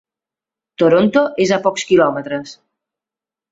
Toronto és a pocs quilòmetres.